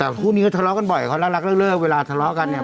แต่พวกนี้ก็ทะเลาะกันบ่อยเขารักรักเริ่มเริ่มเวลาทะเลาะกันเนี่ย